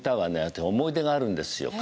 私思い出があるんですよ。